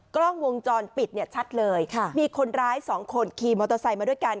กล้องวงจรปิดเนี่ยชัดเลยค่ะมีคนร้ายสองคนขี่มอเตอร์ไซค์มาด้วยกัน